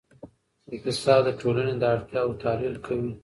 اقتصاد د ټولنې د اړتیاوو تحلیل کوي.